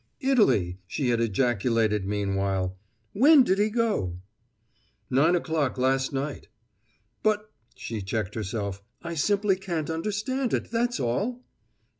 "Italy!" she had ejaculated meanwhile. "When did he go?" "Nine o'clock last night." "But" she checked herself "I simply can't understand it, that's all!"